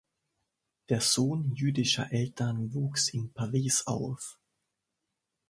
Der Sohn jüdischer Eltern wuchs in Paris auf.